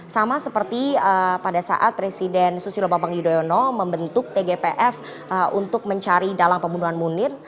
sama seperti pada saat presiden susilo bambang yudhoyono membentuk tgpf untuk mencari dalang pembunuhan munir